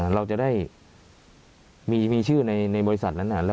เราจะได้มีชื่อในบริษัทนั้น